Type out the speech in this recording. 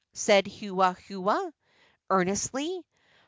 said Hewahewa, earnestly.